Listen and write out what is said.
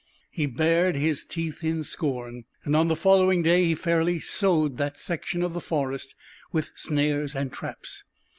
He bared his teeth in scorn, and on the following day he fairly sowed that section of the forest with snares and traps.